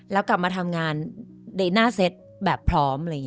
แล้วกลับมาทำงานในหน้าเซ็ตแบบพร้อม